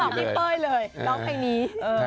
สองนิดเผยเลยร้องเพลงนี้